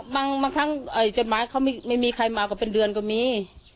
บางครั้งจดหมายเขาไม่มีใครมาก็เป็นเดือนก็มี